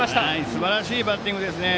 すばらしいバッティングですね。